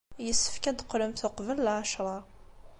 Yessefk ad d-teqqlemt uqbel lɛecṛa.